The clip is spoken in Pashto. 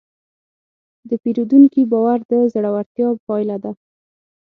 د پیرودونکي باور د زړورتیا پایله ده.